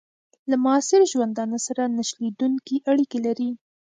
له معاصر ژوندانه سره نه شلېدونکي اړیکي لري.